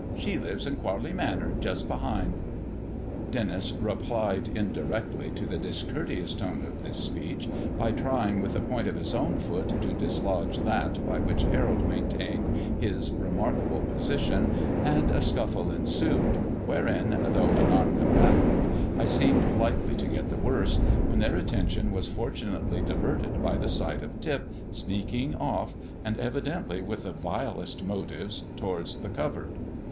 She lives in Quarley Manor, just behind." Denis replied indirectly to the discourteous tone of this speech by trying with the point of his own foot to dislodge that by which Harold maintained his remarkable position, and a scuffle ensued, wherein, though a non combatant, I seemed likely to get the worst, when their attention was fortunately diverted by the sight of Tip sneaking off, and evidently with the vilest motives, towards the covert.